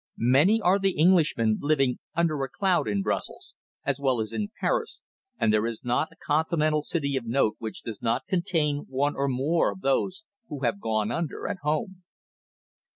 Many are the Englishmen living "under a cloud" in Brussels, as well as in Paris, and there is not a Continental city of note which does not contain one or more of those who have "gone under" at home.